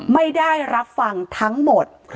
ไม่ได้รับฟังทั้งหมด